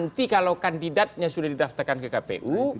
nanti kalau kandidatnya sudah didaftarkan ke kpu